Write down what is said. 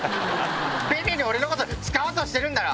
便利に俺のこと使おうとしてるんだろ！